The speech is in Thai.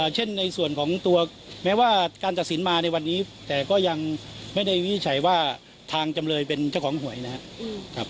เช่นในส่วนของตัวแม้ว่าการตัดสินมาในวันนี้แต่ก็ยังไม่ได้วินิจฉัยว่าทางจำเลยเป็นเจ้าของหวยนะครับ